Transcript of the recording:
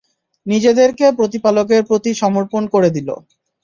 নিজেদেরকে প্রতিপালকের প্রতি সমর্পণ করে দিল।